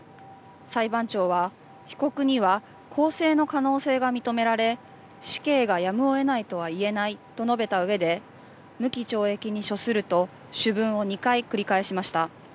裁判長は、被告には更生の可能性が認められ、死刑がやむをえないとは言えないと述べたうえで、無期懲役に処すると、主文を２回繰り返しました。